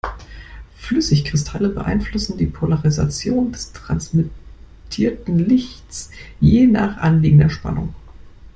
Flüssigkristalle beeinflussen die Polarisation des transmittierten Lichts je nach anliegender Spannung.